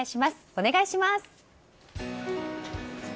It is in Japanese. お願いします。